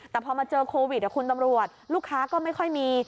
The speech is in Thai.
แต่พอมาเจอโควิดคุณตำรวจลูกค้าก็ไม่ค่อยมี